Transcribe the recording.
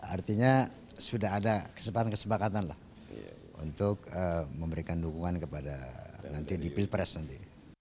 artinya sudah ada kesepakatan kesepakatan lah untuk memberikan dukungan kepada nanti di pilpres nanti